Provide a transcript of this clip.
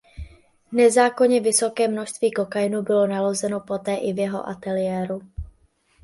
Nezákonně vysoké množství kokainu bylo nalezeno poté i v jeho ateliéru.